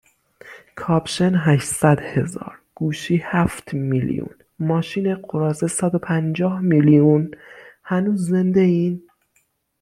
کاپشن هشتصد هزار گوشی هفت میلیون ماشین غراضه صدو پنجاه میلیون ؟هنوز زنده این؟